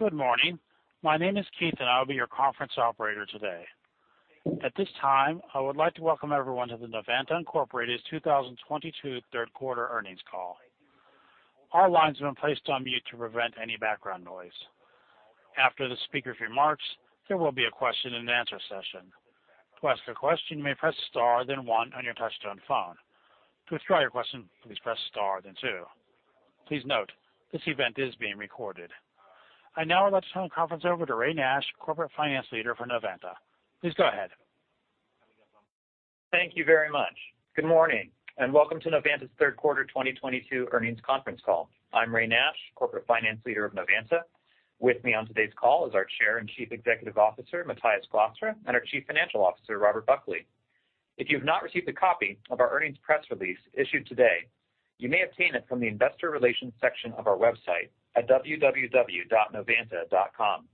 Good morning. My name is Keith, and I'll be your conference operator today. At this time, I would like to welcome everyone to the Novanta Inc.'s 2022 third quarter earnings call. All lines have been placed on mute to prevent any background noise. After the speaker's remarks, there will be a question and answer session. To ask a question, you may press star then one on your touchtone phone. To withdraw your question, please press star then two. Please note, this event is being recorded. I'd now like to turn the conference over to Ray Nash, Corporate Finance Leader for Novanta. Please go ahead. Thank you very much. Good morning, and welcome to Novanta's third quarter 2022 earnings conference call. I'm Ray Nash, Corporate Finance Leader of Novanta. With me on today's call is our Chair and Chief Executive Officer, Matthijs Glastra, and our Chief Financial Officer, Robert Buckley. If you've not received a copy of our earnings press release issued today, you may obtain it from the investor relations section of our website at www.novanta.com.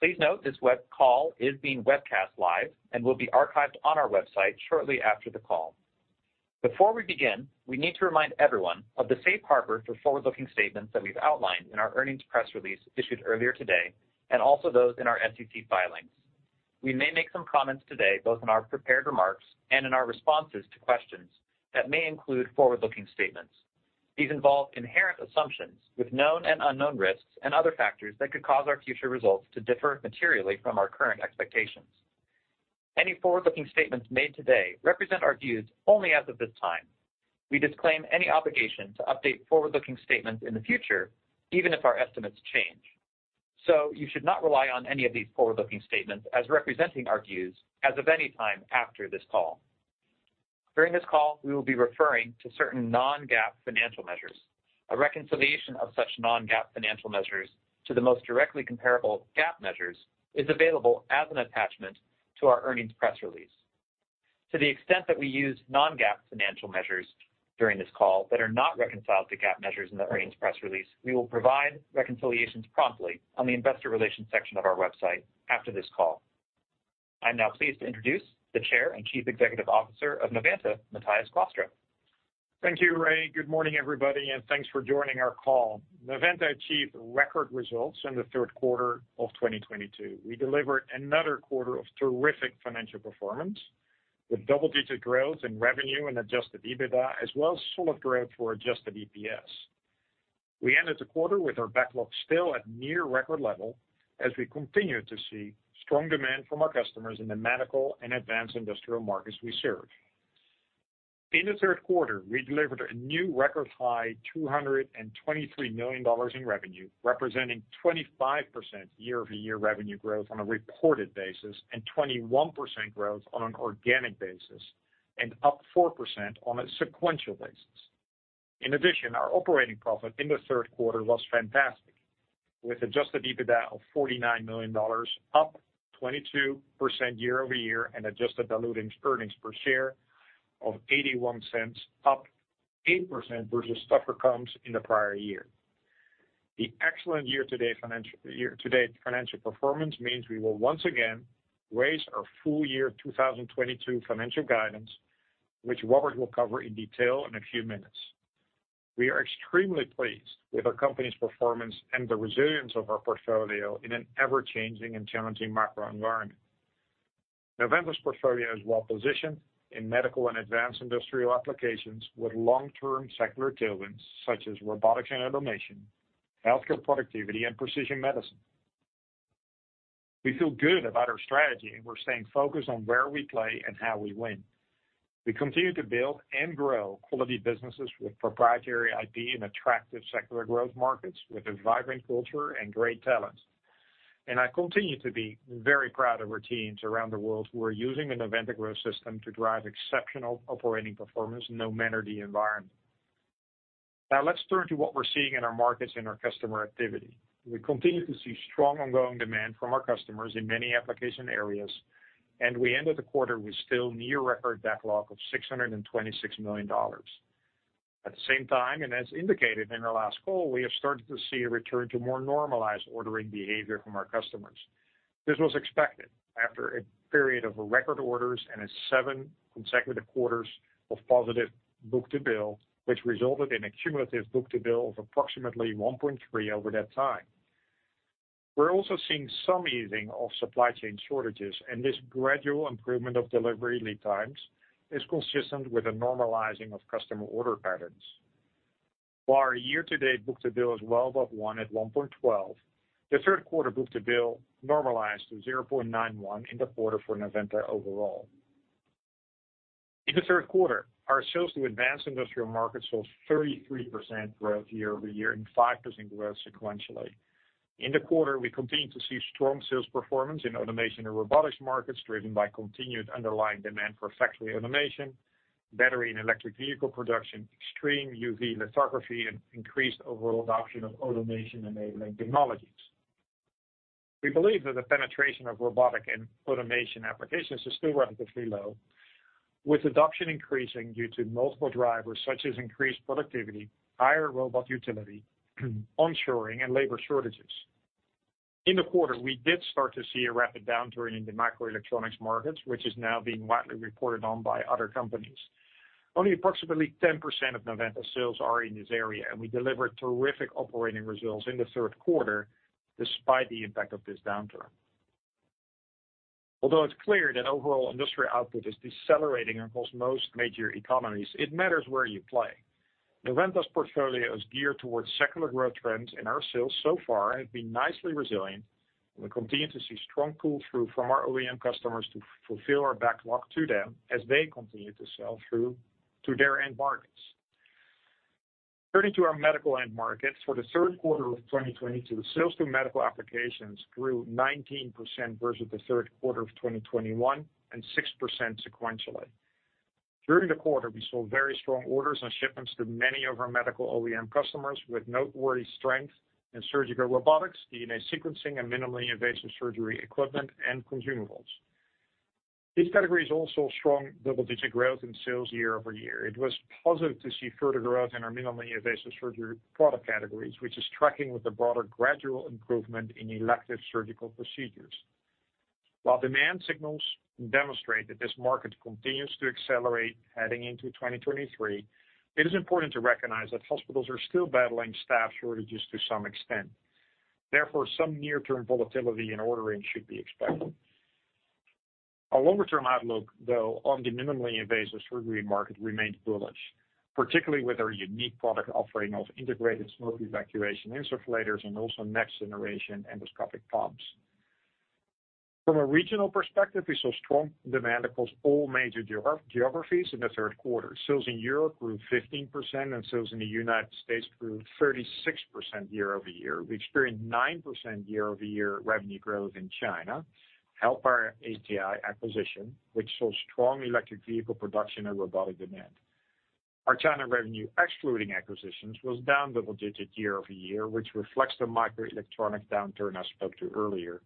Please note this web call is being webcast live and will be archived on our website shortly after the call. Before we begin, we need to remind everyone of the safe harbor for forward-looking statements that we've outlined in our earnings press release issued earlier today, and also those in our SEC filings. We may make some comments today, both in our prepared remarks and in our responses to questions that may include forward-looking statements. These involve inherent assumptions with known and unknown risks and other factors that could cause our future results to differ materially from our current expectations. Any forward-looking statements made today represent our views only as of this time. We disclaim any obligation to update forward-looking statements in the future, even if our estimates change. You should not rely on any of these forward-looking statements as representing our views as of any time after this call. During this call, we will be referring to certain non-GAAP financial measures. A reconciliation of such non-GAAP financial measures to the most directly comparable GAAP measures is available as an attachment to our earnings press release. To the extent that we use non-GAAP financial measures during this call that are not reconciled to GAAP measures in the earnings press release, we will provide reconciliations promptly on the investor relations section of our website after this call. I'm now pleased to introduce the Chair and Chief Executive Officer of Novanta, Matthijs Glastra. Thank you, Ray. Good morning, everybody, and thanks for joining our call. Novanta achieved record results in the third quarter of 2022. We delivered another quarter of terrific financial performance with double-digit growth in revenue and adjusted EBITDA, as well as solid growth for adjusted EPS. We ended the quarter with our backlog still at near record level as we continued to see strong demand from our customers in the medical and advanced industrial markets we serve. In the third quarter, we delivered a new record high $223 million in revenue, representing 25% year-over-year revenue growth on a reported basis, and 21% growth on an organic basis, and up 4% on a sequential basis. In addition, our operating profit in the third quarter was fantastic, with adjusted EBITDA of $49 million, up 22% year-over-year, and adjusted diluted earnings per share of $0.81, up 8% versus in the quarter, we did start to see a rapid downturn in the microelectronics markets, which is now being widely reported on by other companies. Only approximately 10% of Novanta sales are in this area, and we delivered terrific operating results in the third quarter despite the impact of this downturn. Although it's clear that overall industry output is decelerating across most major economies, it matters where you play. Novanta's portfolio is geared towards secular growth trends, and our sales so far have been nicely resilient, and we continue to see strong pull-through from our OEM customers to fulfill our backlog to them as they continue to sell through to their end markets. Turning to our medical end markets, for the third quarter of 2022, sales to medical applications grew 19% versus the third quarter of 2021, and 6% sequentially. During the quarter, we saw very strong orders and shipments to many of our medical OEM customers, with noteworthy strength in surgical robotics, DNA sequencing, and minimally invasive surgery equipment and consumables. These categories also saw strong double-digit growth in sales year-over-year. It was positive to see further growth in our minimally invasive surgery product categories, which is tracking with the broader gradual improvement in elective surgical procedures. While demand signals demonstrate that this market continues to accelerate heading into 2023, it is important to recognize that hospitals are still battling staff shortages to some extent. Therefore, some near-term volatility in ordering should be expected. Our longer-term outlook, though, on the minimally invasive surgery market remains bullish, particularly with our unique product offering of integrated smoke evacuation insufflators and also next-generation endoscopic pumps. From a regional perspective, we saw strong demand across all major geographies in the third quarter. Sales in Europe grew 15%, and sales in the United States grew 36% year-over-year. We experienced 9% year-over-year revenue growth in China, helped by our ATI acquisition, which saw strong electric vehicle production and robotic demand. Our China revenue, excluding acquisitions, was down double digits year-over-year, which reflects the microelectronic downturn I spoke to earlier,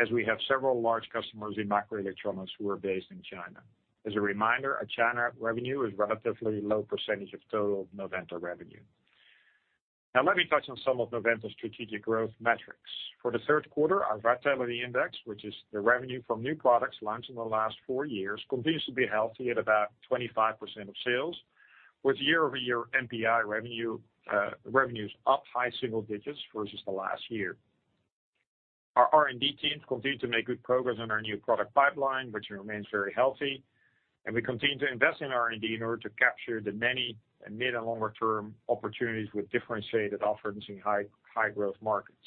as we have several large customers in microelectronics who are based in China. As a reminder, our China revenue is relatively low percentage of total Novanta revenue. Now, let me touch on some of Novanta's strategic growth metrics. For the third quarter, our vitality index, which is the revenue from new products launched in the last four years, continues to be healthy at about 25% of sales, with year-over-year NPI revenues up high single digits versus the last year. Our R&D teams continue to make good progress on our new product pipeline, which remains very healthy, and we continue to invest in R&D in order to capture the many mid and longer-term opportunities with differentiated offerings in high, high growth markets.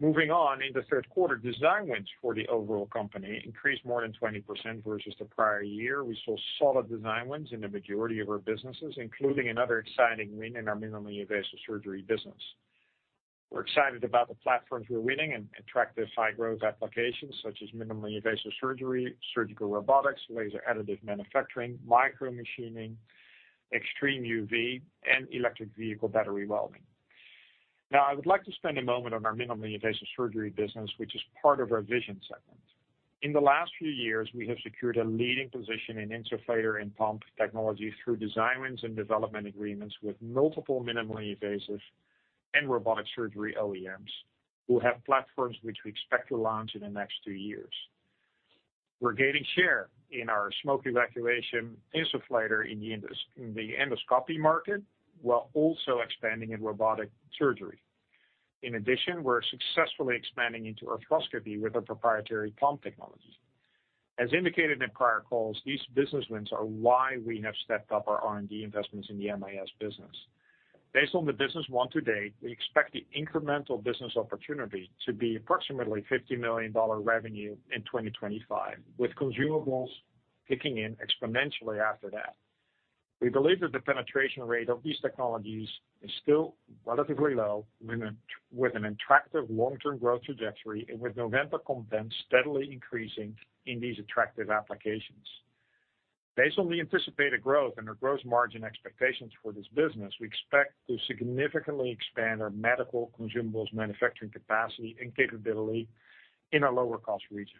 Moving on, in the third quarter, design wins for the overall company increased more than 20% versus the prior year. We saw solid design wins in the majority of our businesses, including another exciting win in our minimally invasive surgery business. We're excited about the platforms we're winning and attractive high-growth applications such as minimally invasive surgery, surgical robotics, laser additive manufacturing, micromachining, extreme UV, and electric vehicle battery welding. Now, I would like to spend a moment on our minimally invasive surgery business, which is part of our vision segment. In the last few years, we have secured a leading position in insufflator and pump technology through design wins and development agreements with multiple minimally invasive and robotic surgery OEMs, who have platforms which we expect to launch in the next two years. We're gaining share in our smoke evacuation insufflator in the endoscopy market while also expanding in robotic surgery. In addition, we're successfully expanding into arthroscopy with our proprietary pump technology. As indicated in prior calls, these business wins are why we have stepped up our R&D investments in the MIS business. Based on the business won to date, we expect the incremental business opportunity to be approximately $50 million revenue in 2025, with consumables kicking in exponentially after that. We believe that the penetration rate of these technologies is still relatively low with an attractive long-term growth trajectory and with Novanta content steadily increasing in these attractive applications. Based on the anticipated growth and our gross margin expectations for this business, we expect to significantly expand our medical consumables manufacturing capacity and capability in a lower-cost region.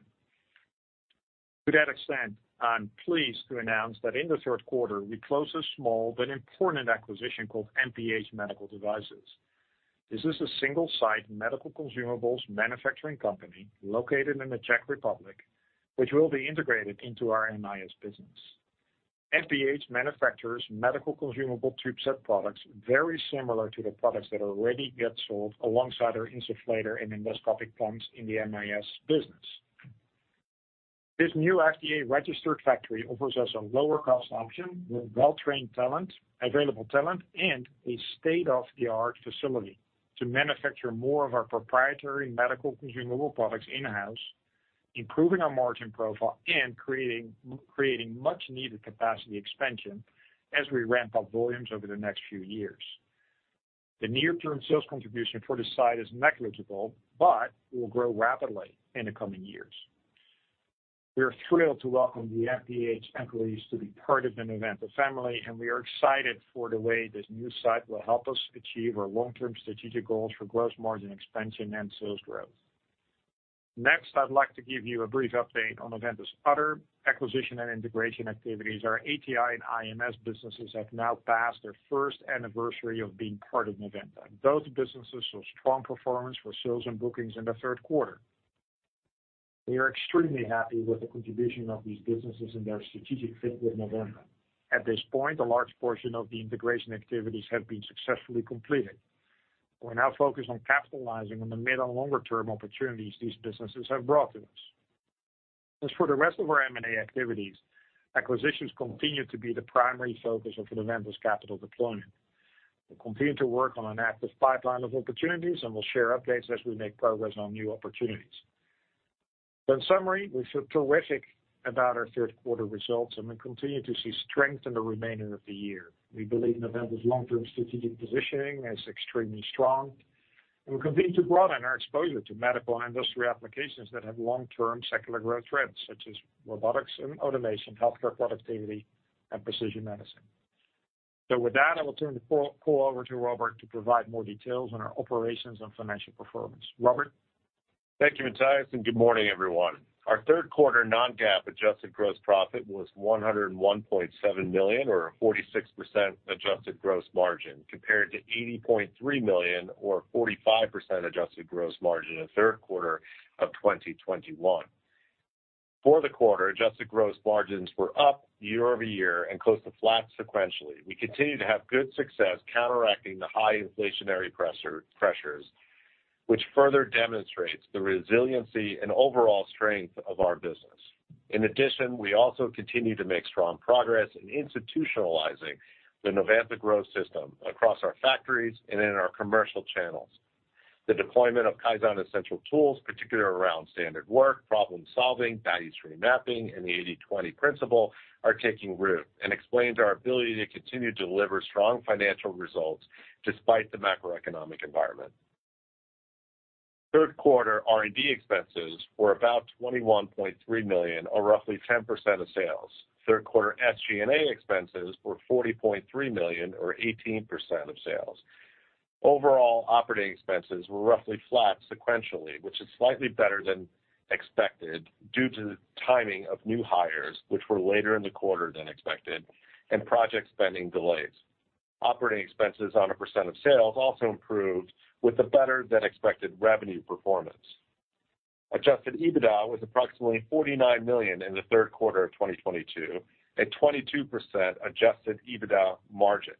To that extent, I'm pleased to announce that in the third quarter, we closed a small but important acquisition called MPH Medical Devices. This is a single-site medical consumables manufacturing company located in the Czech Republic, which will be integrated into our MIS business. MPH manufactures medical consumable tube set products very similar to the products that already get sold alongside our insufflator and Endoscopic Pumps in the MIS business. This new FDA-registered factory offers us a lower-cost option with well-trained talent, available talent, and a state-of-the-art facility to manufacture more of our proprietary medical consumable products in-house, improving our margin profile and creating much-needed capacity expansion as we ramp up volumes over the next few years. The near-term sales contribution for the site is negligible but will grow rapidly in the coming years. We are thrilled to welcome the MPH employees to be part of the Novanta family, and we are excited for the way this new site will help us achieve our long-term strategic goals for gross margin expansion and sales growth. Next, I'd like to give you a brief update on Novanta's other acquisition and integration activities. Our ATI and IMS businesses have now passed their first anniversary of being part of Novanta. Both businesses saw strong performance for sales and bookings in the third quarter. We are extremely happy with the contribution of these businesses and their strategic fit with Novanta. At this point, a large portion of the integration activities have been successfully completed. We're now focused on capitalizing on the mid and longer-term opportunities these businesses have brought to us. As for the rest of our M&A activities, acquisitions continue to be the primary focus of Novanta's capital deployment. We're continuing to work on an active pipeline of opportunities, and we'll share updates as we make progress on new opportunities. In summary, we feel terrific about our third quarter results, and we continue to see strength in the remainder of the year. We believe Novanta's long-term strategic positioning is extremely strong, and we're continuing to broaden our exposure to medical and industrial applications that have long-term secular growth trends, such as robotics and automation, healthcare productivity, and precision medicine. With that, I will turn the call over to Robert to provide more details on our operations and financial performance. Robert? Thank you, Matthijs, and good morning, everyone. Our third quarter non-GAAP adjusted gross profit was $101.7 million or 46% adjusted gross margin, compared to $80.3 million or 45% adjusted gross margin in the third quarter of 2021. For the quarter, adjusted gross margins were up year-over-year and close to flat sequentially. We continue to have good success counteracting the high inflationary pressures, which further demonstrates the resiliency and overall strength of our business. In addition, we also continue to make strong progress in institutionalizing the Novanta Growth System across our factories and in our commercial channels. The deployment of Kaizen essential tools, particularly around standard work, problem-solving, value stream mapping, and the 80/20 principle, are taking root and explains our ability to continue to deliver strong financial results despite the macroeconomic environment. Third quarter R&D expenses were about $21.3 million, or roughly 10% of sales. Third quarter SG&A expenses were $40.3 million, or 18% of sales. Overall operating expenses were roughly flat sequentially, which is slightly better than expected due to the timing of new hires, which were later in the quarter than expected, and project spending delays. Operating expenses on a percent of sales also improved with the better-than-expected revenue performance. Adjusted EBITDA was approximately $49 million in the third quarter of 2022 at 22% adjusted EBITDA margin.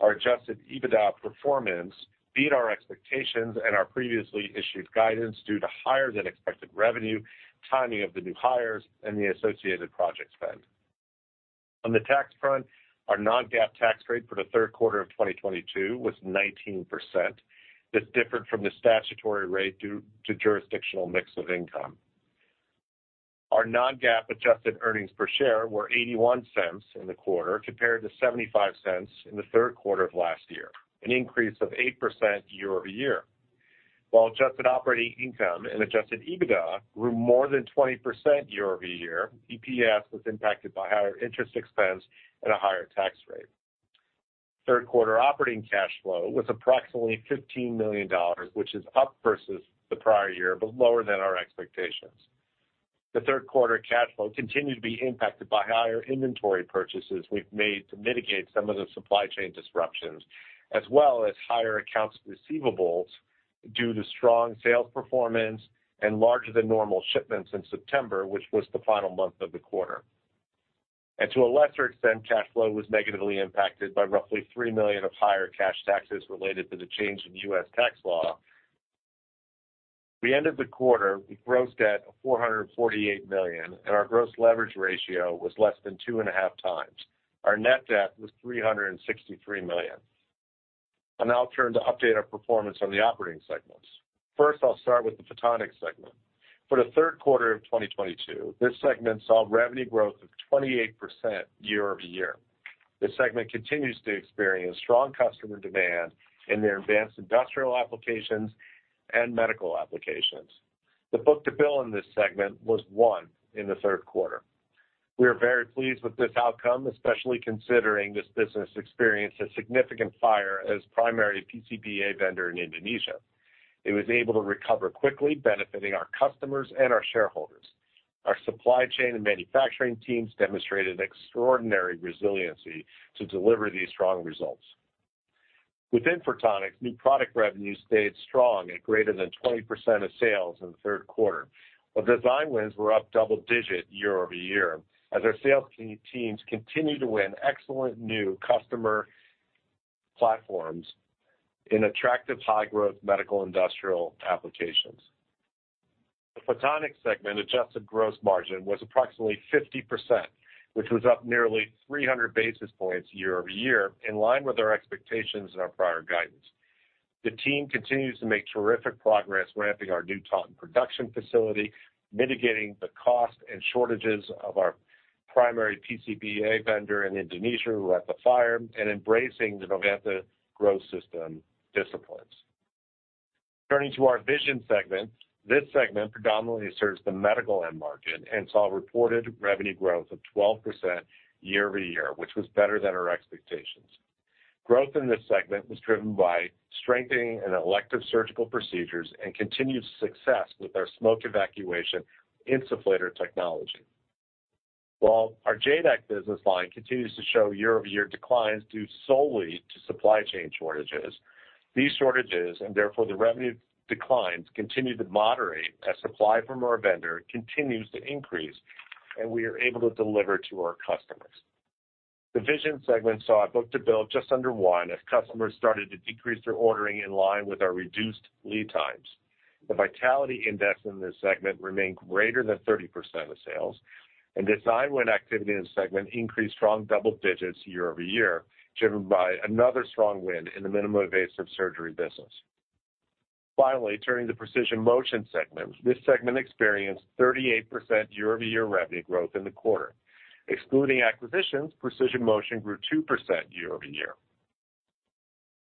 Our adjusted EBITDA performance beat our expectations and our previously issued guidance due to higher-than-expected revenue, timing of the new hires, and the associated project spend. On the tax front, our non-GAAP tax rate for the third quarter of 2022 was 19%. This differed from the statutory rate due to jurisdictional mix of income. Our non-GAAP adjusted earnings per share were $0.81 in the quarter compared to $0.75 in the third quarter of last year, an increase of 8% year-over-year. While adjusted operating income and adjusted EBITDA grew more than 20% year-over-year, EPS was impacted by higher interest expense and a higher tax rate. Third quarter operating cash flow was approximately $15 million, which is up versus the prior year, but lower than our expectations. The third quarter cash flow continued to be impacted by higher inventory purchases we've made to mitigate some of the supply chain disruptions, as well as higher accounts receivables due to strong sales performance and larger than normal shipments in September, which was the final month of the quarter. To a lesser extent, cash flow was negatively impacted by roughly $3 million of higher cash taxes related to the change in U.S. tax law. We ended the quarter with gross debt of $448 million, and our gross leverage ratio was less than 2.5 times. Our net debt was $363 million. I'll now turn to update our performance on the operating segments. First, I'll start with the Photonics segment. For the third quarter of 2022, this segment saw revenue growth of 28% year-over-year. This segment continues to experience strong customer demand in their advanced industrial applications and medical applications. The book-to-bill in this segment was 1 in the third quarter. We are very pleased with this outcome, especially considering this business experienced a significant fire as primary PCBA vendor in Indonesia. It was able to recover quickly, benefiting our customers and our shareholders. Our supply chain and manufacturing teams demonstrated extraordinary resiliency to deliver these strong results. Within Photonics, new product revenue stayed strong at greater than 20% of sales in the third quarter, while design wins were up double-digit year-over-year as our sales teams continued to win excellent new customer platforms in attractive high-growth medical industrial applications. The Photonics segment adjusted gross margin was approximately 50%, which was up nearly 300 basis points year-over-year, in line with our expectations and our prior guidance. The team continues to make terrific progress ramping our new Taunton production facility, mitigating the cost and shortages of our primary PCBA vendor in Indonesia who had the fire, and embracing the Novanta Growth System disciplines. Turning to our Vision segment. This segment predominantly serves the medical end market and saw reported revenue growth of 12% year-over-year, which was better than our expectations. Growth in this segment was driven by strengthening in elective surgical procedures and continued success with our smoke evacuation insufflator technology. While our JADAK business line continues to show year-over-year declines due solely to supply chain shortages, these shortages, and therefore the revenue declines, continue to moderate as supply from our vendor continues to increase, and we are able to deliver to our customers. The Vision segment saw a book-to-bill just under 1 as customers started to decrease their ordering in line with our reduced lead times. The vitality index in this segment remained greater than 30% of sales, and design win activity in the segment increased strong double digits year-over-year, driven by another strong win in the minimally invasive surgery business. Finally, turning to Precision Motion segment. This segment experienced 38% year-over-year revenue growth in the quarter. Excluding acquisitions, Precision Motion grew 2% year-over-year.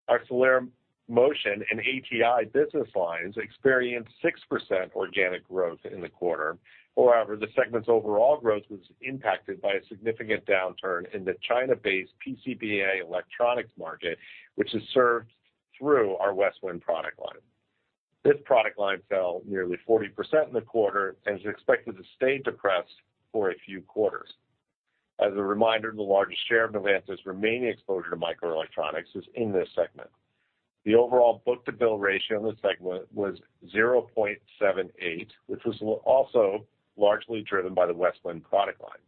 Our Celera Motion and ATI business lines experienced 6% organic growth in the quarter. However, the segment's overall growth was impacted by a significant downturn in the China-based PCBA electronics market, which is served through our Westwind product line. This product line fell nearly 40% in the quarter and is expected to stay depressed for a few quarters. As a reminder, the largest share of Novanta's remaining exposure to microelectronics is in this segment. The overall book-to-bill ratio in the segment was 0.78, which was also largely driven by the Westwind product line.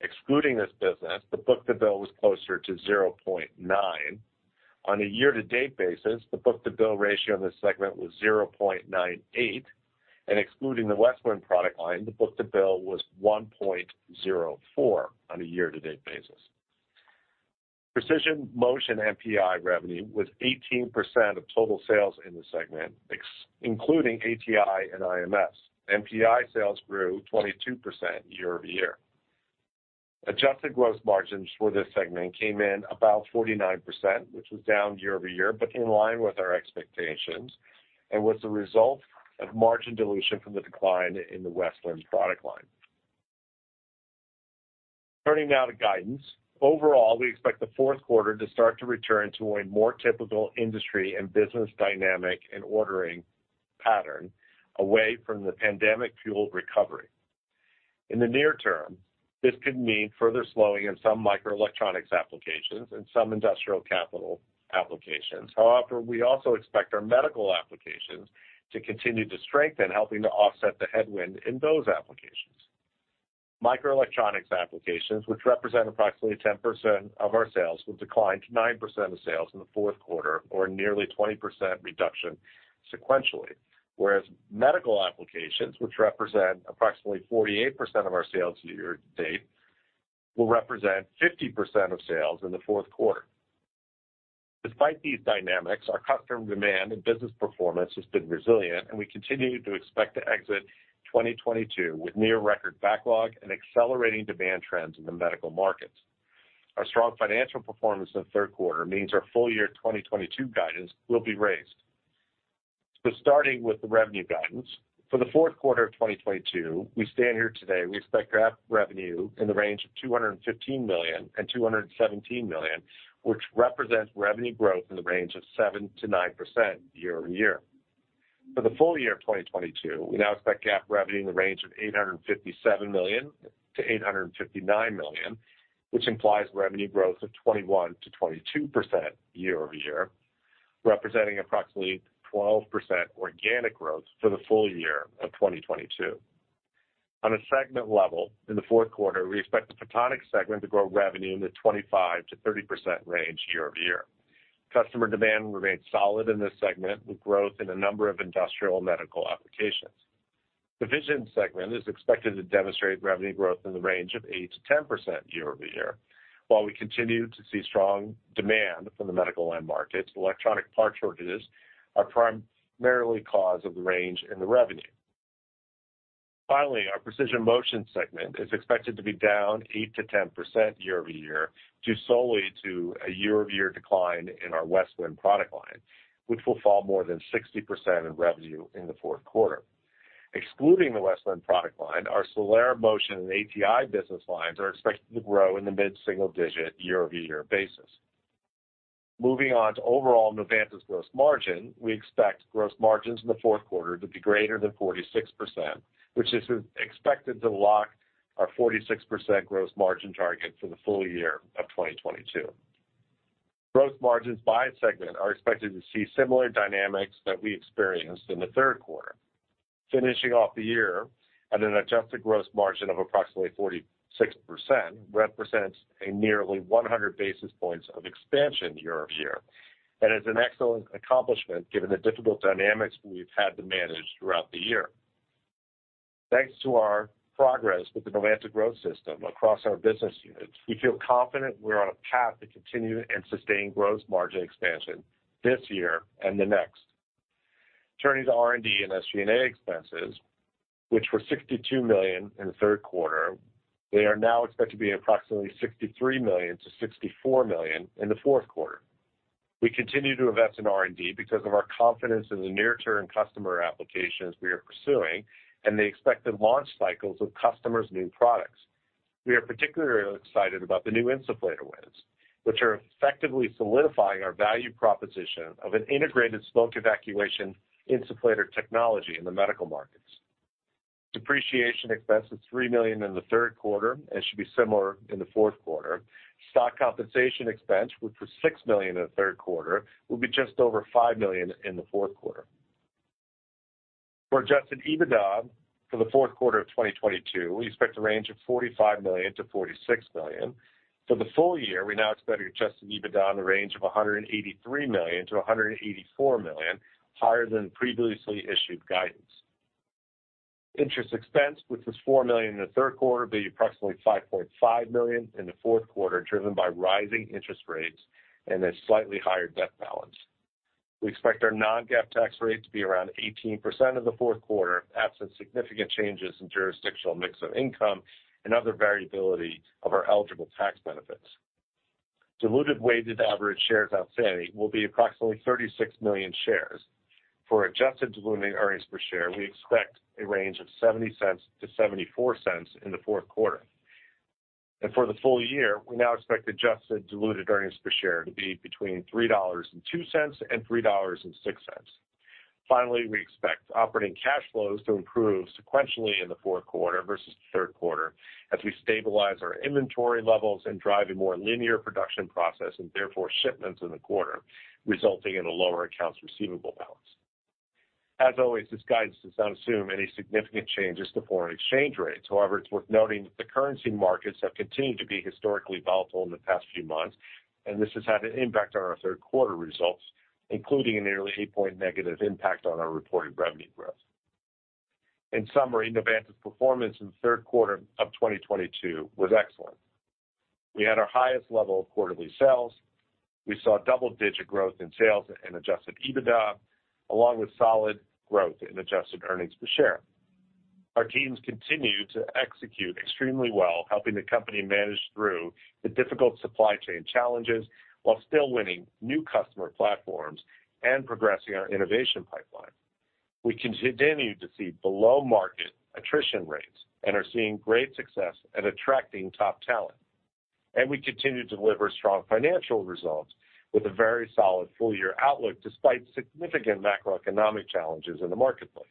Excluding this business, the book-to-bill was closer to 0.9. On a year-to-date basis, the book-to-bill ratio in this segment was 0.98, and excluding the Westwind product line, the book-to-bill was 1.04 on a year-to-date basis. Precision Motion NPI revenue was 18% of total sales in the segment, excluding ATI and IMS. NPI sales grew 22% year-over-year. Adjusted gross margins for this segment came in about 49%, which was down year-over-year, but in line with our expectations, and was the result of margin dilution from the decline in the Westwind product line. Turning now to guidance. Overall, we expect the fourth quarter to start to return to a more typical industry and business dynamic and ordering pattern away from the pandemic-fueled recovery. In the near term, this could mean further slowing in some microelectronics applications and some industrial capital applications. However, we also expect our medical applications to continue to strengthen, helping to offset the headwind in those applications. Microelectronics applications, which represent approximately 10% of our sales, will decline to 9% of sales in the fourth quarter, or nearly 20% reduction sequentially. Whereas medical applications, which represent approximately 48% of our sales year to date, will represent 50% of sales in the fourth quarter. Despite these dynamics, our customer demand and business performance has been resilient, and we continue to expect to exit 2022 with near record backlog and accelerating demand trends in the medical markets. Our strong financial performance in the third quarter means our full year 2022 guidance will be raised. Starting with the revenue guidance. For the fourth quarter of 2022, we stand here today, we expect GAAP revenue in the range of $215 million-$217 million, which represents revenue growth in the range of 7%-9% year-over-year. For the full year of 2022, we now expect GAAP revenue in the range of $857 million-$859 million, which implies revenue growth of 21%-22% year-over-year, representing approximately 12% organic growth for the full year of 2022. On a segment level, in the fourth quarter, we expect the Photonics segment to grow revenue in the 25%-30% range year-over-year. Customer demand remains solid in this segment with growth in a number of industrial medical applications. The Vision segment is expected to demonstrate revenue growth in the range of 8%-10% year-over-year. While we continue to see strong demand from the medical end markets, electronic parts shortages are the primary cause of the range in the revenue. Our Precision Motion segment is expected to be down 8%-10% year-over-year, due solely to a year-over-year decline in our Westwind product line, which will fall more than 60% in revenue in the fourth quarter. Excluding the Westwind product line, our Celera Motion and ATI business lines are expected to grow in the mid-single-digit year-over-year basis. Moving on to overall Novanta's gross margin. We expect gross margins in the fourth quarter to be greater than 46%, which is expected to lock our 46% gross margin target for the full year of 2022. Gross margins by segment are expected to see similar dynamics that we experienced in the third quarter. Finishing off the year at an adjusted gross margin of approximately 46% represents a nearly 100 basis points of expansion year-over-year, and is an excellent accomplishment given the difficult dynamics we've had to manage throughout the year. Thanks to our progress with the Novanta Growth System across our business units, we feel confident we're on a path to continue and sustain gross margin expansion this year and the next. Turning to R&D and SG&A expenses, which were $62 million in the third quarter, they are now expected to be approximately $63 million-$64 million in the fourth quarter. We continue to invest in R&D because of our confidence in the near-term customer applications we are pursuing and the expected launch cycles of customers' new products. We are particularly excited about the new insufflator wins, which are effectively solidifying our value proposition of an integrated smoke evacuation insufflator technology in the medical markets. Depreciation expense is $3 million in the third quarter and should be similar in the fourth quarter. Stock compensation expense, which was $6 million in the third quarter, will be just over $5 million in the fourth quarter. For adjusted EBITDA for the fourth quarter of 2022, we expect a range of $45 million-$46 million. For the full year, we now expect adjusted EBITDA in the range of $183 million-$184 million, higher than previously issued guidance. Interest expense, which was $4 million in the third quarter, will be approximately $5.5 million in the fourth quarter, driven by rising interest rates and a slightly higher debt balance. We expect our non-GAAP tax rate to be around 18% in the fourth quarter, absent significant changes in jurisdictional mix of income and other variability of our eligible tax benefits. Diluted weighted average shares outstanding will be approximately 36 million shares. For adjusted diluted earnings per share, we expect a range of $0.70-$0.74 in the fourth quarter. For the full year, we now expect adjusted diluted earnings per share to be between $3.02 and $3.06. Finally, we expect operating cash flows to improve sequentially in the fourth quarter versus the third quarter as we stabilize our inventory levels and drive a more linear production process and therefore shipments in the quarter, resulting in a lower accounts receivable balance. As always, this guidance does not assume any significant changes to foreign exchange rates. However, it's worth noting that the currency markets have continued to be historically volatile in the past few months, and this has had an impact on our third quarter results, including a nearly eight-point negative impact on our reported revenue growth. In summary, Novanta's performance in the third quarter of 2022 was excellent. We had our highest level of quarterly sales. We saw double-digit growth in sales and adjusted EBITDA, along with solid growth in adjusted earnings per share. Our teams continue to execute extremely well, helping the company manage through the difficult supply chain challenges while still winning new customer platforms and progressing our innovation pipeline. We continue to see below-market attrition rates and are seeing great success at attracting top talent. We continue to deliver strong financial results with a very solid full-year outlook despite significant macroeconomic challenges in the marketplace.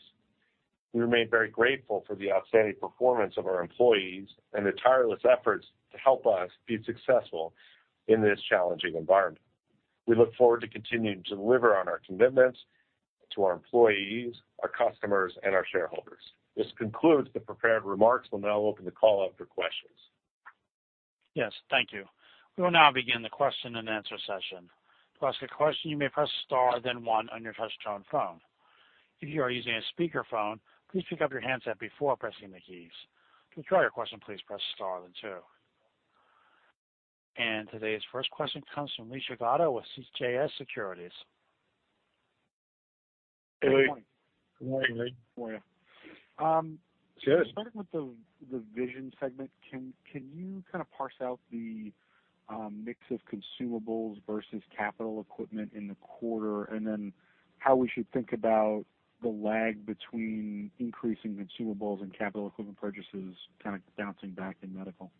We remain very grateful for the outstanding performance of our employees and the tireless efforts to help us be successful in this challenging environment. We look forward to continuing to deliver on our commitments to our employees, our customers, and our shareholders. This concludes the prepared remarks. We'll now open the call up for questions. Yes, thank you. We will now begin the question-and-answer session. To ask a question, you may press star then one on your touchtone phone. If you are using a speakerphone, please pick up your handset before pressing the keys. To withdraw your question, please press star then two. Today's first question comes from Lee Jagoda with CJS Securities. Hey, Lee. Good morning. Good morning. How are you? Sure. Starting with the vision segment, can you kind of parse out the mix of consumables versus capital equipment in the quarter? How we should think about the lag between increasing consumables and capital equipment purchases kind of bouncing back in medical?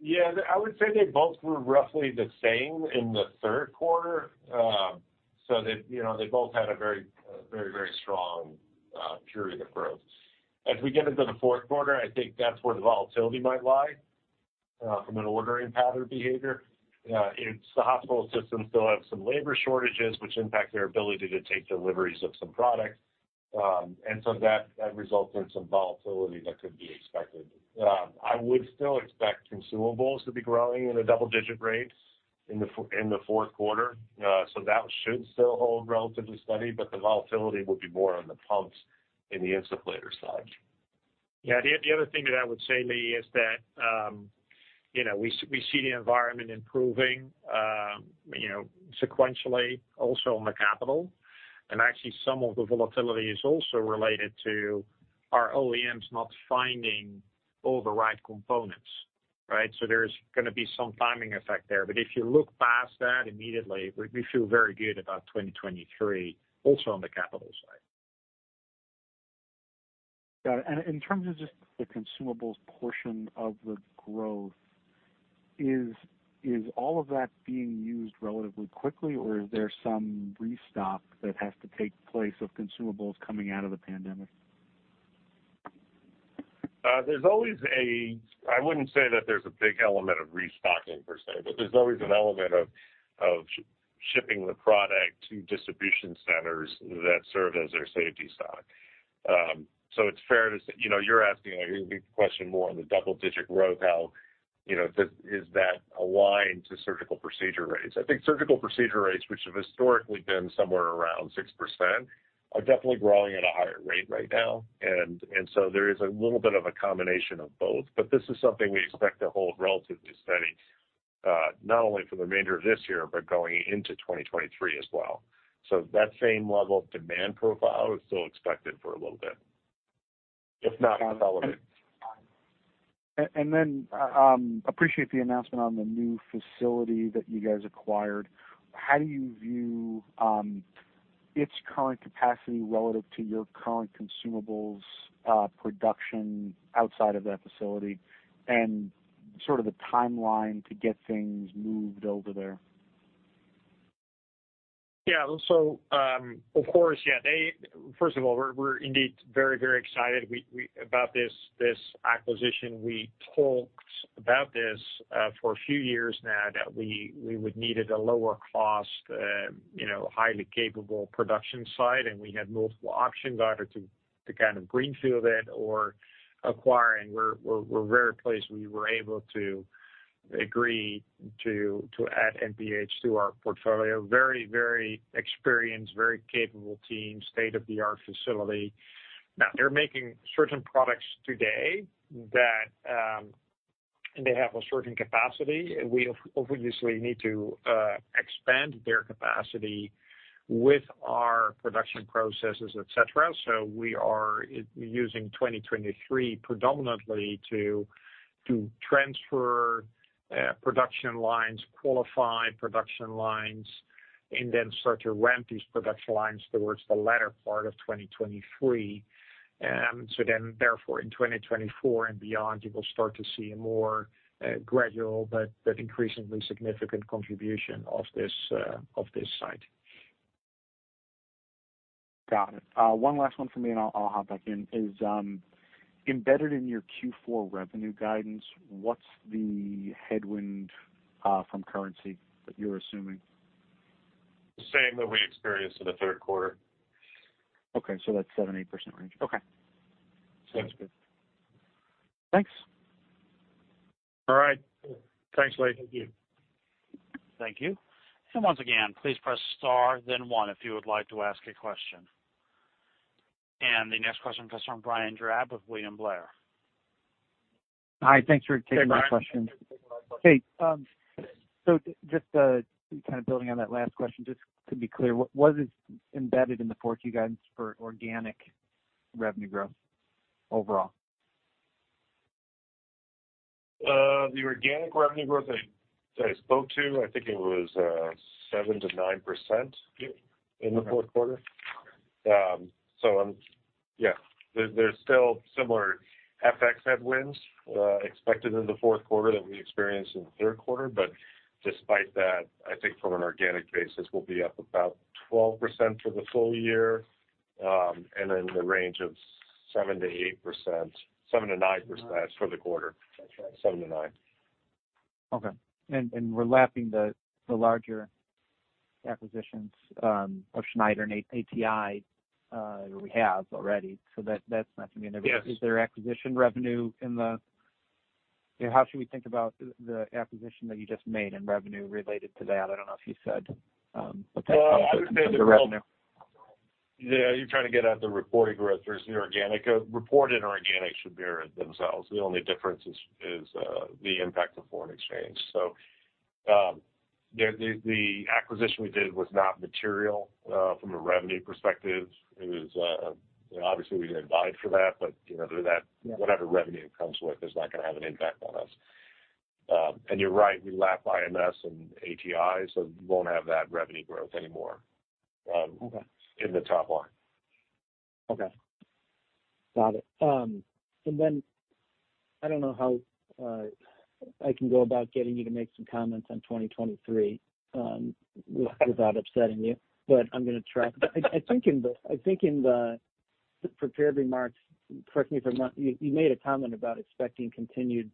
Yeah, I would say they both were roughly the same in the third quarter. They, you know, they both had a very strong period of growth. As we get into the fourth quarter, I think that's where the volatility might lie from an ordering pattern behavior. It's the hospital systems still have some labor shortages, which impact their ability to take deliveries of some products. That results in some volatility that could be expected. I would still expect consumables to be growing in the double-digit rates in the fourth quarter. That should still hold relatively steady, but the volatility will be more on the pumps in the insufflator side. Yeah. The other thing that I would say, Lee, is that you know, we see the environment improving you know, sequentially also on the capital. Actually, some of the volatility is also related to our OEMs not finding all the right components, right? There's gonna be some timing effect there. If you look past that immediately, we feel very good about 2023 also on the capital side. Got it. In terms of just the consumables portion of the growth, is all of that being used relatively quickly, or is there some restock that has to take place of consumables coming out of the pandemic? There's always a big element of restocking per se, but there's always an element of shipping the product to distribution centers that serve as their safety stock. So it's fair to say, you know, you're asking a big question more on the double-digit growth, how, you know, is that aligned to surgical procedure rates? I think surgical procedure rates, which have historically been somewhere around 6%, are definitely growing at a higher rate right now. So there is a little bit of a combination of both. But this is something we expect to hold relatively steady, not only for the remainder of this year, but going into 2023 as well. So that same level of demand profile is still expected for a little bit. If not, I'll follow. Appreciate the announcement on the new facility that you guys acquired. How do you view its current capacity relative to your current consumables production outside of that facility and sort of the timeline to get things moved over there? Yeah. Of course, yeah, first of all, we're indeed very excited about this acquisition. We talked about this for a few years now that we would need a lower cost, you know, highly capable production site, and we had multiple options either to kind of greenfield it or acquire. We're very pleased we were able to agree to add MPH to our portfolio. Very experienced, very capable team, state-of-the-art facility. Now they're making certain products today that they have a certain capacity. We obviously need to expand their capacity with our production processes, et cetera. We are using 2023 predominantly to transfer production lines, qualify production lines, and then start to ramp these production lines towards the latter part of 2023. Therefore, in 2024 and beyond, you will start to see a more gradual but increasingly significant contribution of this site. Got it. One last one for me, and I'll hop back in. Is embedded in your Q4 revenue guidance, what's the headwind from currency that you're assuming? The same that we experienced in the third quarter. Okay. That's 7%-8% range. Okay. Yeah. Sounds good. Thanks. All right. Thanks, Blake. Thank you. Thank you. Once again, please press star then one if you would like to ask a question. The next question comes from Brian Drab with William Blair. Hi. Thanks for taking my question. Hey, Brian. Hey, just to kind of building on that last question, just to be clear, what is embedded in the 4Q guidance for organic revenue growth overall? The organic revenue growth that I spoke to, I think it was 7%-9%. Yep. in the fourth quarter. So I'm. There's still similar FX headwinds expected in the fourth quarter that we experienced in the third quarter. Despite that, I think from an organic basis, we'll be up about 12% for the full year, and then the range of 7%-8%, 7%-9%. Got it. for the quarter. That's right. 7 to 9. Okay. We're lapping the larger acquisitions of Schneider and ATI, we have already, so that's not gonna be- Yes. How should we think about the acquisition that you just made and revenue related to that? I don't know if you said what that was in terms of revenue. Yeah. You're trying to get at the reported growth versus the organic. Reported and organic should mirror themselves. The only difference is the impact of foreign exchange. The acquisition we did was not material from a revenue perspective. It was, you know, obviously, we didn't guide for that, but, you know, that whatever revenue it comes with is not gonna have an impact on us. You're right, we lapped IMS and ATI, so we won't have that revenue growth anymore. Okay. in the top line. Okay. Got it. I don't know how I can go about getting you to make some comments on 2023 without upsetting you, but I'm gonna try. I think in the prepared remarks, correct me if I'm wrong, you made a comment about expecting continued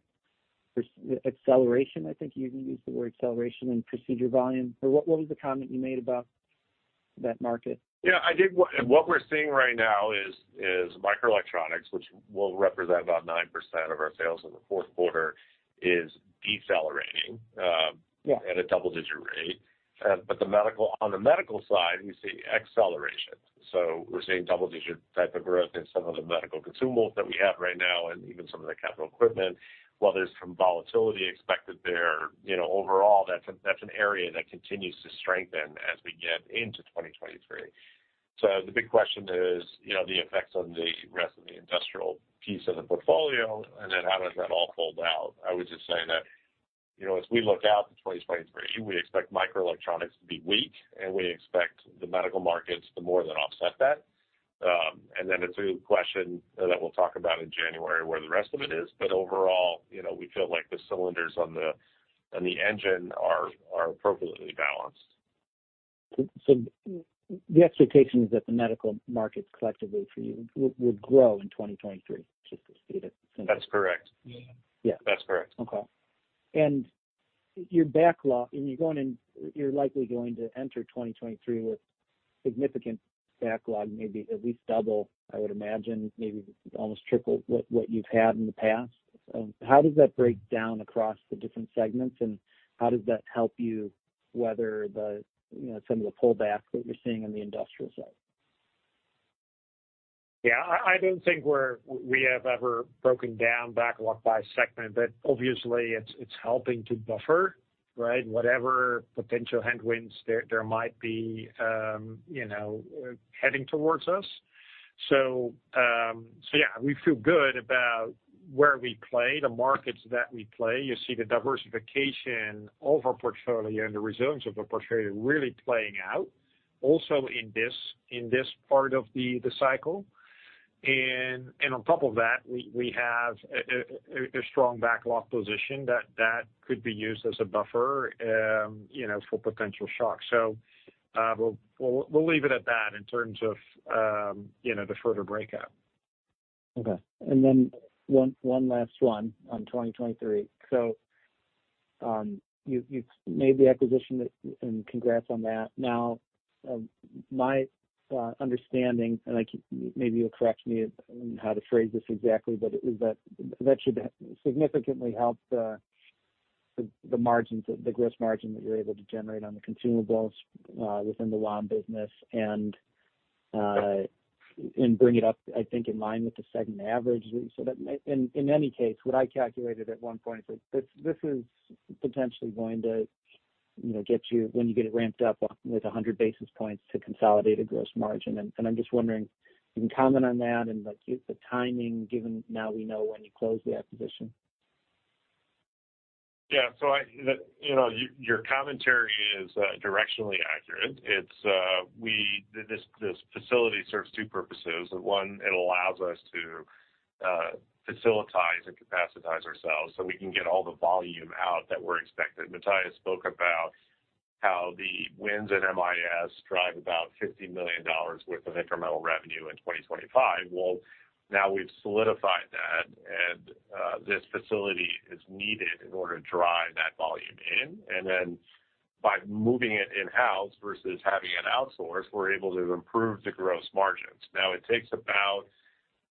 acceleration. I think you even used the word acceleration in procedure volume. Or what was the comment you made about that market? Yeah. I did. What we're seeing right now is microelectronics, which will represent about 9% of our sales in the fourth quarter, is decelerating. Yeah. at a double-digit rate. The medical, on the medical side, we see acceleration. We're seeing double-digit type of growth in some of the medical consumables that we have right now and even some of the capital equipment. While there's some volatility expected there, you know, overall that's an area that continues to strengthen as we get into 2023. The big question is, you know, the effects on the rest of the industrial piece of the portfolio and then how does that all fold out. I would just say that, you know, as we look out to 2023, we expect microelectronics to be weak, and we expect the medical markets to more than offset that. Then it's a question that we'll talk about in January where the rest of it is. Overall, you know, we feel like the cylinders on the engine are appropriately balanced. The expectation is that the medical markets collectively for you would grow in 2023, just to state it simply. That's correct. Yeah. Yeah. That's correct. Okay. Your backlog, you're likely going to enter 2023 with significant backlog, maybe at least double, I would imagine, maybe almost triple what you've had in the past. How does that break down across the different segments, and how does that help you weather the, you know, some of the pullback that you're seeing on the industrial side? Yeah. I don't think we have ever broken down backlog by segment, but obviously it's helping to buffer, right? Whatever potential headwinds there might be heading towards us. We feel good about where we play, the markets that we play. You see the diversification of our portfolio and the resilience of our portfolio really playing out also in this part of the cycle. On top of that, we have a strong backlog position that could be used as a buffer for potential shocks. We'll leave it at that in terms of the further breakout. Okay. One last one on 2023. You have made the acquisition that and congrats on that. Now, my understanding, and maybe you'll correct me how to phrase this exactly, but it was that that should significantly help the margins, the gross margin that you are able to generate on the consumables within the WOM business and bring it up, I think, in line with the segment average. That may and in any case, what I calculated at one point is like this is potentially going to, you know, get you, when you get it ramped up, with 100 basis points to consolidated gross margin. I'm just wondering, can you comment on that and like give the timing given now we know when you close the acquisition. Yeah. You know, your commentary is directionally accurate. It's this facility serves two purposes. One, it allows us to facilitize and capacitize ourselves, so we can get all the volume out that we're expecting. Matthijs spoke about how the wins at MIS drive about $50 million worth of incremental revenue in 2025. Well, now we've solidified that, and this facility is needed in order to drive that volume in. By moving it in-house versus having it outsourced, we're able to improve the gross margins. Now, it takes about,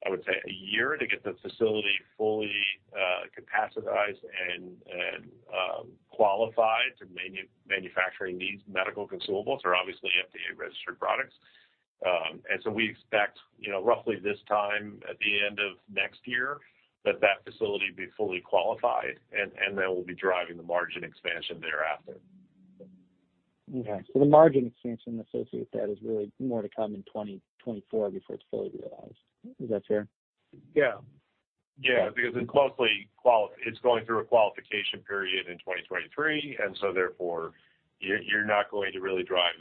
I would say, a year to get the facility fully capacitized and qualified to manufacture these medical consumables, which are obviously FDA-registered products. We expect, you know, roughly this time at the end of next year that facility be fully qualified, and then we'll be driving the margin expansion thereafter. Okay. The margin expansion associated with that is really more to come in 2024 before it's fully realized. Is that fair? Yeah. Yeah, because it's mostly going through a qualification period in 2023, and so therefore, you're not going to really drive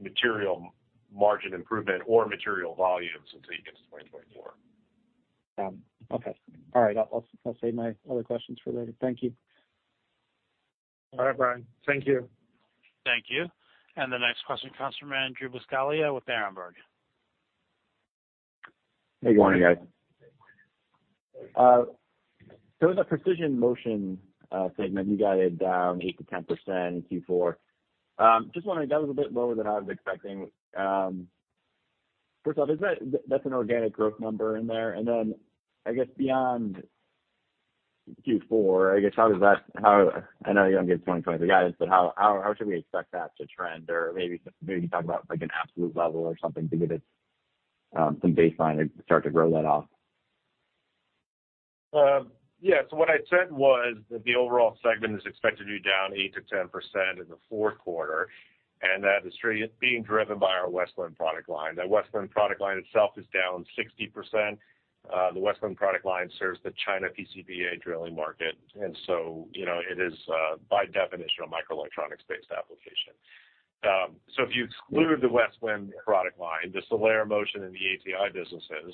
material margin improvement or material volumes until you get to 2024. Okay. All right. I'll save my other questions for later. Thank you. All right, Brian. Thank you. Thank you. The next question comes from Andrew Buscaglia with Berenberg. Good morning, guys. The Precision Motion segment, you guided down 8%-10% in Q4. Just wondering, that was a bit lower than I was expecting. First off, is that's an organic growth number in there. Then, I guess beyond Q4, I guess how does that. I know you don't give 2023 guidance, but how should we expect that to trend? Or maybe just maybe talk about like an absolute level or something to give it some baseline to start to grow that off. Yeah. What I said was that the overall segment is expected to be down 8%-10% in the fourth quarter, and that is truly being driven by our Westwind product line. That Westwind product line itself is down 60%. The Westwind product line serves the China PCBA drilling market. You know, it is, by definition, a microelectronics-based application. If you exclude the Westwind product line, the Celera Motion and the ATI businesses are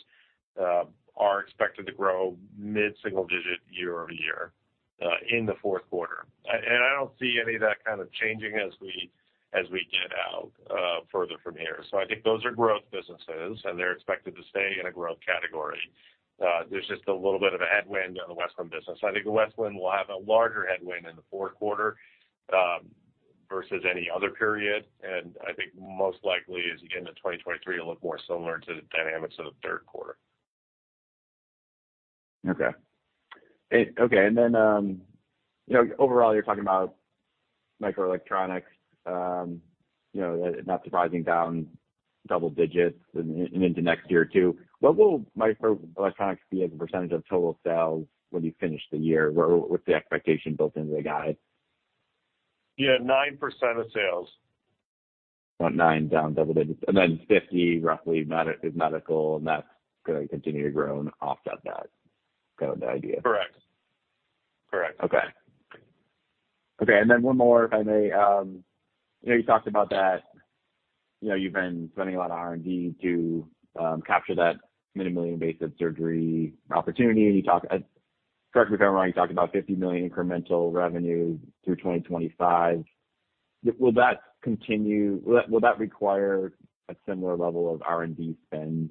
expected to grow mid-single digit year-over-year in the fourth quarter. And I don't see any of that kind of changing as we get out further from here. I think those are growth businesses, and they're expected to stay in a growth category. There's just a little bit of a headwind on the Westwind business. I think Westwind will have a larger headwind in the fourth quarter versus any other period, and I think most likely is the end of 2023 to look more similar to the dynamics of the third quarter. Okay. Overall, you're talking about microelectronics, you know, not surprising down double digits and into next year too. What will microelectronics be as a percentage of total sales when you finish the year? What's the expectation built into the guide? Yeah, 9% of sales. About 9 down double digits. Then 50 roughly is medical, and that's gonna continue to grow and off of that kind of the idea. Correct. Correct. Okay, one more, if I may. I know you talked about that, you know, you've been spending a lot of R&D to capture that minimally invasive surgery opportunity. You talked, correct me if I'm wrong, about $50 million incremental revenue through 2025. Will that continue? Will that require a similar level of R&D spend,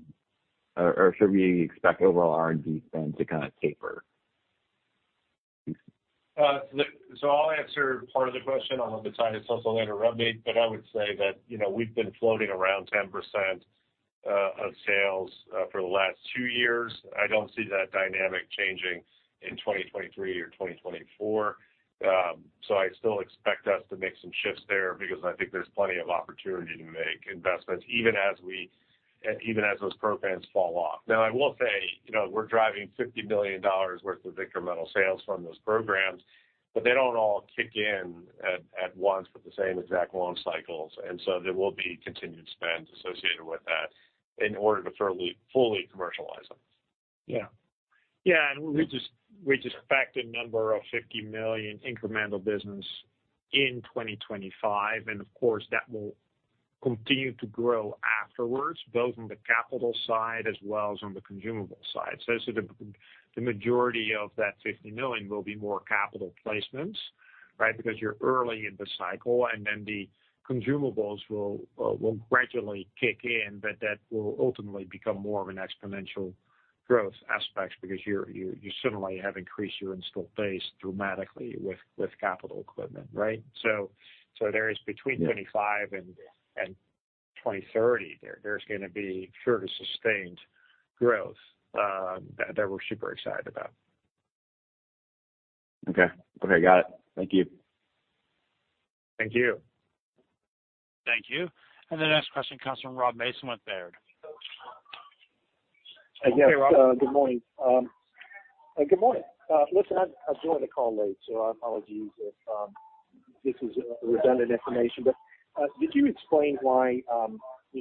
or should we expect overall R&D spend to kind of taper? I'll answer part of the question. I'll let Matthijs also later jump in. But I would say that, you know, we've been floating around 10% of sales for the last two years. I don't see that dynamic changing in 2023 or 2024. I still expect us to make some shifts there because I think there's plenty of opportunity to make investments even as we and even as those programs fall off. Now, I will say, you know, we're driving $50 million worth of incremental sales from those programs, but they don't all kick in at once with the same exact long cycles. There will be continued spends associated with that in order to thoroughly fully commercialize them. We just backed a number of $50 million incremental business in 2025. Of course, that will continue to grow afterwards, both on the capital side as well as on the consumable side. As to the majority of that $50 million will be more capital placements, right? Because you are early in the cycle, and then the consumables will gradually kick in, but that will ultimately become more of an exponential growth aspect because you certainly have increased your installed base dramatically with capital equipment, right? There is between- Yeah. 2025 and 2030, there's gonna be further sustained growth that we're super excited about. Okay. Okay, got it. Thank you. Thank you. Thank you. The next question comes from Rob Mason with Baird. Hey, Rob. Yes. Good morning. Listen, I joined the call late, so I apologize if this is redundant information, but could you explain why, you know,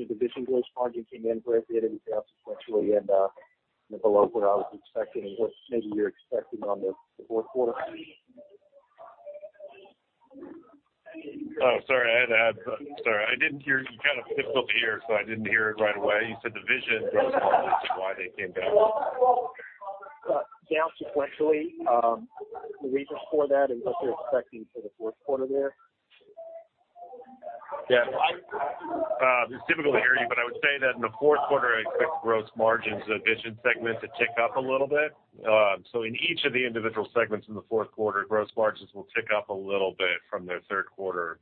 the Vision gross margin came in where it did sequentially and, you know, below what I was expecting and what maybe you're expecting on the fourth quarter? Sorry, I didn't hear. You're kind of difficult to hear, so I didn't hear it right away. You said the Vision gross margins and why they came down. Down sequentially, the reasons for that and what you're expecting for the fourth quarter there? Yeah. It's difficult to hear you, but I would say that in the fourth quarter, I expect gross margins in the vision segment to tick up a little bit. In each of the individual segments in the fourth quarter, gross margins will tick up a little bit from their third quarter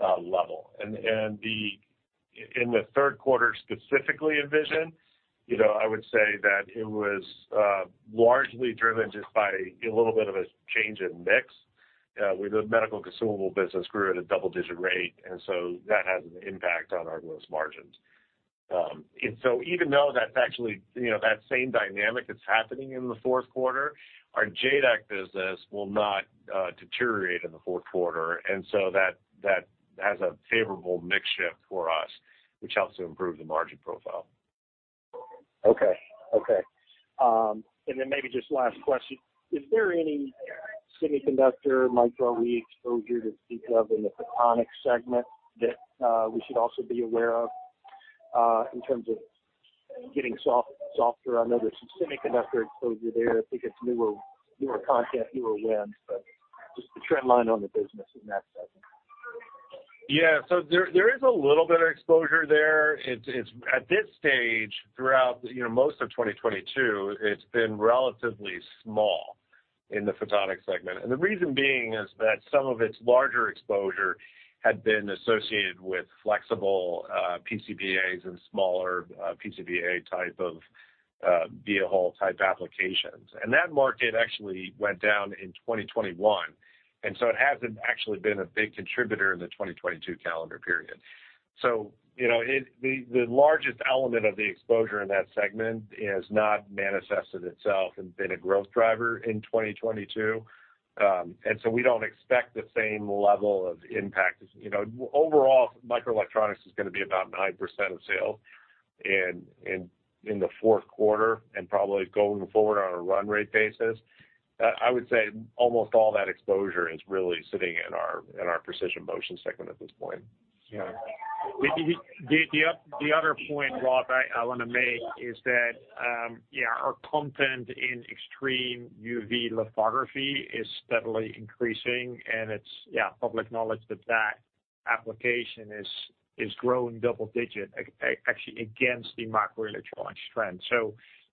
level. In the third quarter, specifically in vision, you know, I would say that it was largely driven just by a little bit of a change in mix with the medical consumable business grew at a double-digit rate, and so that has an impact on our gross margins. Even though that's actually, you know, that same dynamic that's happening in the fourth quarter, our JADAK business will not deteriorate in the fourth quarter. That has a favorable mix shift for us, which helps to improve the margin profile. Okay. Maybe just last question. Is there any semiconductor micro exposure to speak of in the Photonics segment that we should also be aware of in terms of getting softer? I know there's some semiconductor exposure there. I think it's newer content, newer wins, but just the trend line on the business in that segment. Yeah. There is a little bit of exposure there. It's at this stage throughout, you know, most of 2022, it's been relatively small in the Photonics segment. The reason being is that some of its larger exposure had been associated with flexible PCBAs and smaller PCBA type of via hole type applications. That market actually went down in 2021. It hasn't actually been a big contributor in the 2022 calendar period. You know, it, the largest element of the exposure in that segment has not manifested itself and been a growth driver in 2022. We don't expect the same level of impact. You know, overall, microelectronics is gonna be about 9% of sales in the fourth quarter and probably going forward on a run rate basis. I would say almost all that exposure is really sitting in our Precision Motion segment at this point. The other point, Rob, I wanna make is that our content in extreme UV lithography is steadily increasing, and it's public knowledge that that application is growing double digit actually against the microelectronics trend.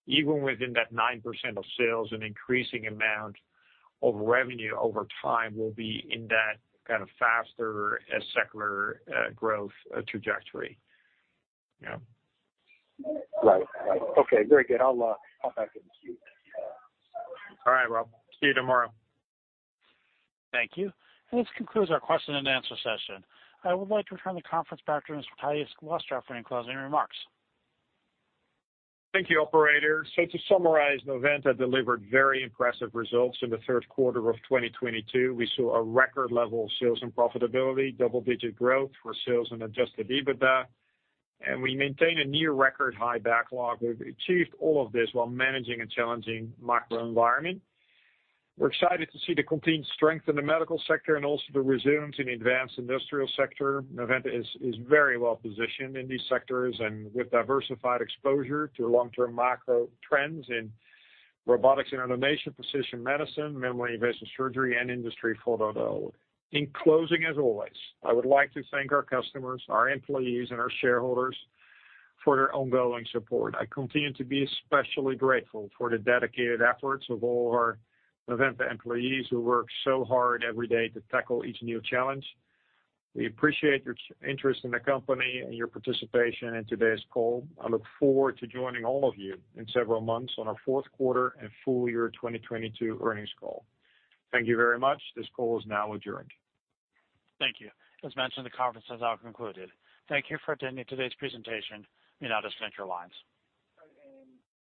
Even within that 9% of sales, an increasing amount of revenue over time will be in that kind of faster secular growth trajectory. Right. Okay, very good. I'll hop back in the queue. All right, Rob. See you tomorrow. Thank you. This concludes our question and answer session. I would like to return the conference back to Mr. Matthijs Glastra for any closing remarks. Thank you, operator. To summarize, Novanta delivered very impressive results in the third quarter of 2022. We saw a record level of sales and profitability, double-digit growth for sales and adjusted EBITDA, and we maintained a near record high backlog. We've achieved all of this while managing a challenging macro environment. We're excited to see the continued strength in the medical sector and also the resilience in the advanced industrial sector. Novanta is very well positioned in these sectors and with diversified exposure to long-term macro trends in robotics and automation, precision medicine, minimally invasive surgery, and Industry 4.0. In closing, as always, I would like to thank our customers, our employees, and our shareholders for their ongoing support. I continue to be especially grateful for the dedicated efforts of all our Novanta employees who work so hard every day to tackle each new challenge. We appreciate your interest in the company and your participation in today's call. I look forward to joining all of you in several months on our fourth quarter and full year 2022 earnings call. Thank you very much. This call is now adjourned. Thank you. As mentioned, the conference has now concluded. Thank you for attending today's presentation. You may now disconnect your lines.